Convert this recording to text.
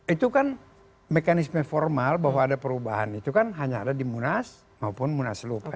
itu kan mekanisme formal bahwa ada perubahan itu kan hanya ada di munas maupun munaslup